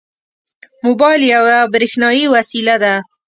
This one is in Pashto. موبایل یوه برېښنایي وسیله ده.